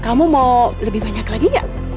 kamu mau lebih banyak lagi gak